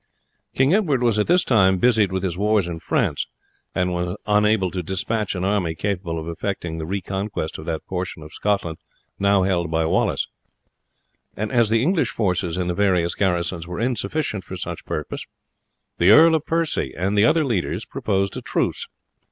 King Edward was at this time busied with his wars in France, and was unable to despatch an army capable of effecting the reconquest of that portion of Scotland now held by Wallace; and as the English forces in the various garrisons were insufficient for such purpose, the Earl of Percy and the other leaders proposed a truce.